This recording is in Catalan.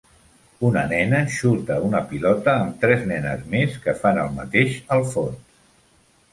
Una nena xuta una pilota amb tres nenes més que fan el mateix al fons.